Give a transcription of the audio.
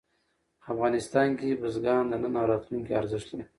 افغانستان کې بزګان د نن او راتلونکي ارزښت لري.